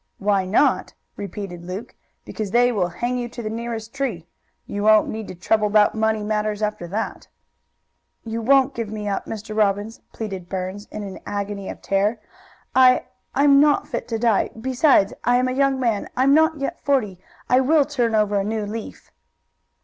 "Why not?" repeated Luke. "Because they will hang you to the nearest tree. You won't need to trouble about money matters after that." "You won't give me up, Mr. Robbins," pleaded Burns, in an agony of terror. "I I am not fit to die. Besides, I am a young man. I am not yet forty. I will turn over a new leaf."